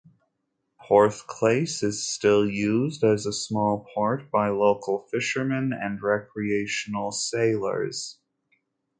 Porthclais is still used as a small port by local fishermen and recreational sailors.